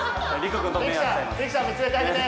リクさん見つめてあげて。